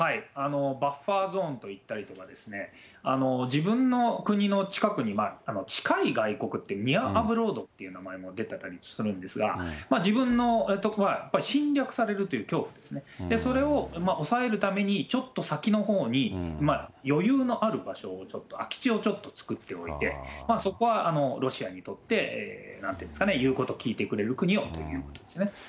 バッファーゾーンといったりですとか、自分の国の近くに、近い外国って、ニアアブロードっていう名前も出たりもするんですが、自分の所はやっぱり侵略されるという恐怖ですね、それを抑えるためにちょっと先のほうに余裕のある場所をちょっと空き地をちょっと作っておいて、そこはロシアにとって言うこと聞いてくれる国をということですね。